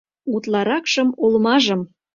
Утларакшым олмажым.